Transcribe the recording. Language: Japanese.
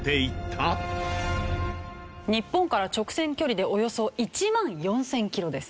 日本から直線距離でおよそ１万４０００キロです。